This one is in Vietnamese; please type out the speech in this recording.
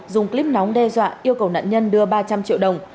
dùng clip nóng đe dọa yêu cầu nạn nhân đưa ba trăm linh triệu đồng